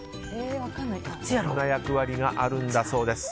こんな役割があるんだそうです。